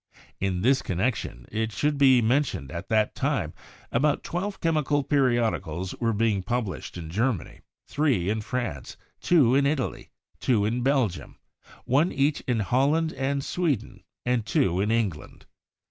In this connection it should be mentioned that at that time about twelve chemical peri odicals were being published in Germany, three in France, two in Italy, two in Belgium, one each in Holland and Sweden, and two in England.